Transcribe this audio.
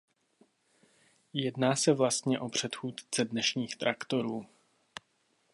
Jedná se vlastně o předchůdce dnešních traktorů.